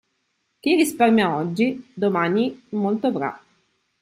Chi risparmia oggi, domani molto avrà.